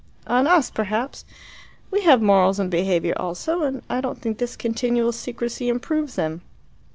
"On us, perhaps. We have morals and behaviour also, and I don't think this continual secrecy improves them."